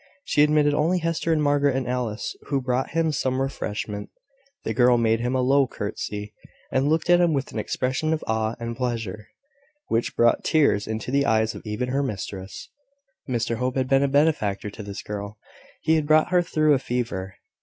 She admitted only Hester and Margaret, and Alice, who brought him some refreshment. The girl made him a low curtsey, and looked at him with an expression of awe and pleasure, which brought tears into the eyes of even her mistress. Mr Hope had been a benefactor to this girl. He had brought her through a fever.